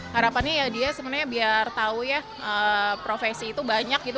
harapannya ya dia sebenarnya biar tahu ya profesi itu banyak gitu